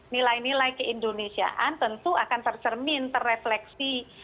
nilai nilai keindonesiaan tentu akan tercermin terefleksi